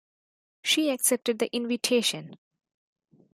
She accepted the invitation.